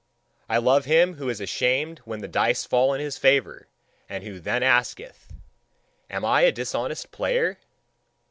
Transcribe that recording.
I love him who is ashamed when the dice fall in his favour, and who then asketh: "Am I a dishonest player?"